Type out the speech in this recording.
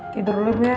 tidur dulu ya